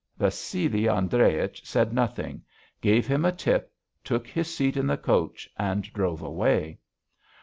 Vassili Andreich said nothing, gave him a tip, took his seat in the coach and drove away.